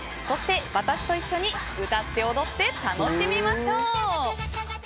そして、私と一緒に歌って踊って楽しみましょう！